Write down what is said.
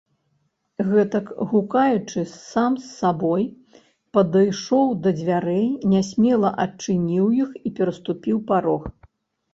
Гэтак, гукаючы сам з сабой, падышоў да дзвярэй, нясмела адчыніў іх і пераступіў парог.